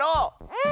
うん！